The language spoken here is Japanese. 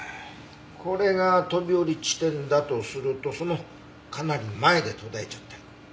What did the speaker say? これが飛び降り地点だとするとそのかなり前で途絶えちゃってる。